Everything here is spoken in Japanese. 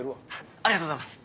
ありがとうございます。